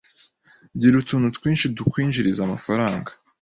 Gira utuntu twinshi tukwinjiriza amafaranga